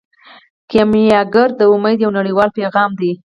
کیمیاګر د امید یو نړیوال پیغام دی.